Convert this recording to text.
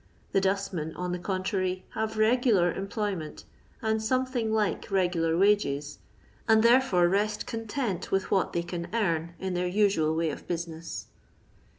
The dustmen, on the contrary, haTO regokr «n ployment and something like regular wages, an^ therefore rest content with what they can earn in dieir usual way of business.